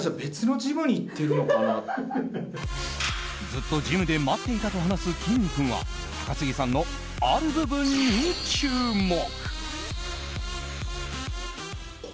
ずっとジムで待っていたと話すきんに君は高杉さんの、ある部分に注目。